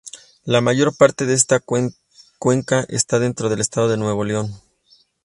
La mayor parte de esta cuenca está dentro del estado de Nuevo León.